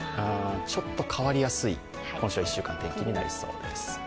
ちょっと変わりやすい今週１週間の天気になりそうです。